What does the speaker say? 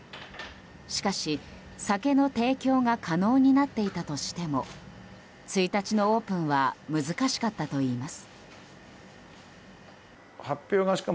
しかし、酒の提供が可能になっていたとしても１日のオープンは難しかったといいます。